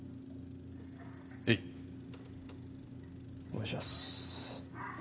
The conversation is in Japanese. お願いします。